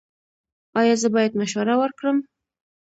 ایا زه باید مشوره ورکړم؟